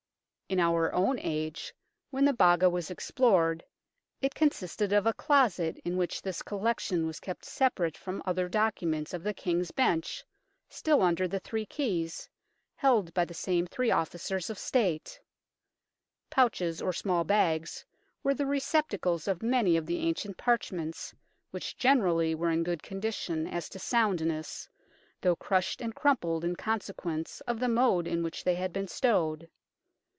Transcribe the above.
In our own age, when the Baga was explored, it consisted of a closet in which this collection was kept separate from other documents of the King's Bench, still under the three keys, held by the same three officers of State. Pouches, or small bags, were the receptacles of many of the ancient parchments, which generally were in good condition as to soundness, though crushed and crumpled in consequence of the mode in which they had been stowed.